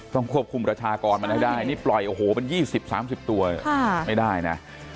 พูกพูกพูกพูกพูก